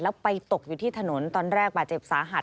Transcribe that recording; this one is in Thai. แล้วไปตกอยู่ที่ถนนตอนแรกบาดเจ็บสาหัส